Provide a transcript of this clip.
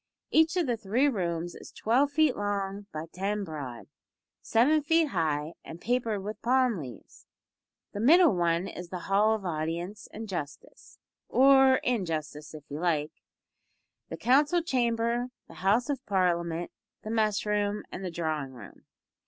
Each of the three rooms is twelve feet long by ten broad; seven feet high, and papered with palm leaves. The middle one is the hall of Audience and Justice or injustice if you like the Council Chamber, the House of Parliament, the mess room, and the drawing room.